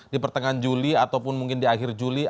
di pertengahan juli ataupun mungkin di akhir juli